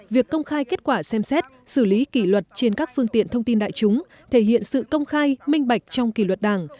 việc công khai kết quả xem xét xử lý kỷ luật trên các phương tiện thông tin đại chúng thể hiện sự công khai minh bạch trong kỷ luật đảng